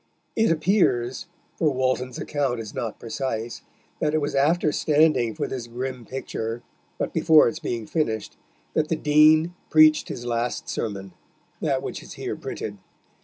It appears (for Walton's account is not precise) that it was after standing for this grim picture, but before its being finished, that the Dean preached his last sermon, that which is here printed.